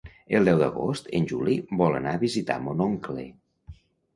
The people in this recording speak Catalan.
El deu d'agost en Juli vol anar a visitar mon oncle.